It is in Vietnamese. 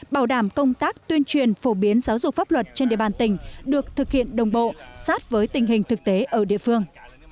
bảo đảm công tác tuyên truyền phổ biến giáo dục pháp luật trên địa bàn tỉnh được thực hiện đồng bộ sát với tình hình thực tế ở địa phương